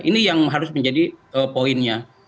ini yang harus menjadi poinnya